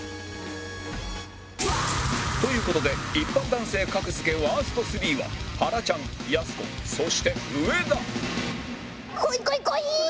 という事で一般男性格付けワースト３ははらちゃんやす子そして植田こいこいこい！